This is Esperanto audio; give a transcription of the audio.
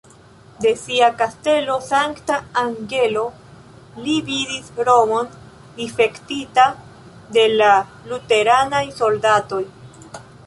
De sia kastelo Sankta-Angelo, li vidis Romon difektita de la luteranaj soldatoj.